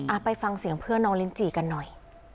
ไปฟังเสียงเพื่อนน้องลิ้นจีกันหน่อย